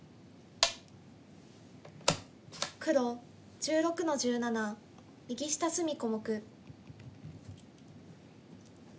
黒１６の十七右下隅小目。